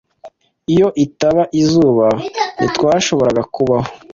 Iyo itaba izuba, ntitwashoboraga kubaho.